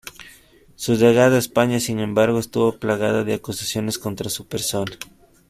Su llegada a España, sin embargo, estuvo plagada de acusaciones contra su persona.